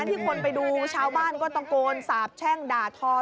ที่คนไปดูชาวบ้านก็ตะโกนสาบแช่งด่าทอ